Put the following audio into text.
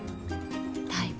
タイプ。